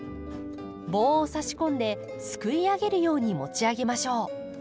棒をさし込んですくい上げるように持ち上げましょう。